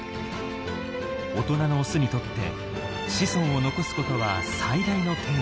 大人のオスにとって子孫を残すことは最大のテーマ。